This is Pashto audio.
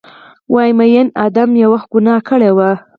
وایې ، میین ادم یو وخت ګناه کړي وه